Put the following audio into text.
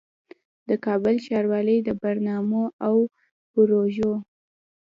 د کابل ښاروالۍ د برنامو او پروژو